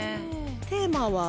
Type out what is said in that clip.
テーマは？